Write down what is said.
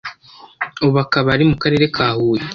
ubu akaba ari mu Karere ka Huye